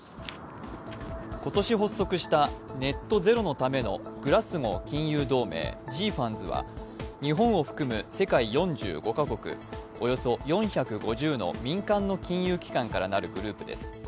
今年発足したネットゼロのためのグラスゴー金融同盟＝ＧＦＡＮＺは日本を含む世界４５カ国、およそ４５０の民間の金融機関からなるグループです。